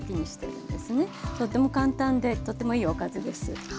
とっても簡単でとってもいいおかずです。